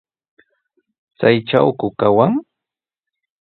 ¿Chaytrawku kawan?